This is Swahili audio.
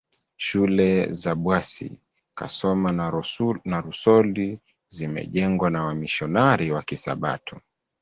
Shule za Bwasi Kasoma na Rusoli zimejengwa na wamisionari wa Kisabato